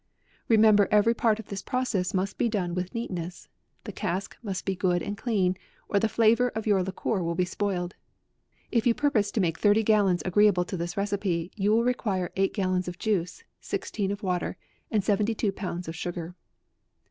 Remember every part of this process must be done with neatness. The cask must be good and clean, or the flavour of > our liquor will be spoiled. If you purpose to make thirty gallons agreeable to this recipe, you will require eight gallons of juice, sixteen of water, and seventy two pounds of sugar.